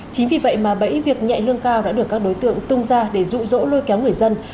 chính vì vậy mà bẫy việc nhẹ lương cao đã được các đối tượng tung ra để rụ rỗ lôi kéo người dân